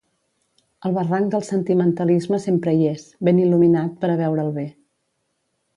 El barranc del sentimentalisme sempre hi és, ben il·luminat per a veure’l bé.